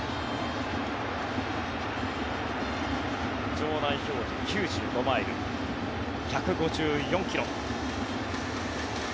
場内表示、９５マイル１５４ｋｍ。